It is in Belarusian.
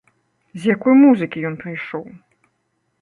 З якой музыкі ён прыйшоў?